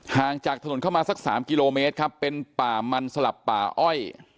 ห่างจากถนนเข้ามาสักสามกิโลเมตรครับเป็นป่ามันสลับป่าอ้อย